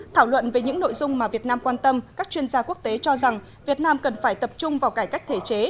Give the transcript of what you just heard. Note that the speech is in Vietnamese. thảo luận về những nội dung mà việt nam quan tâm các chuyên gia quốc tế cho rằng việt nam cần phải tập trung vào cải cách thể chế